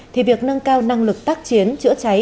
thì việc nâng cao năng lực tác chiến chữa cháy